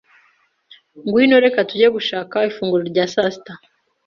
Ngwino, reka tujye gushaka ifunguro rya sasita.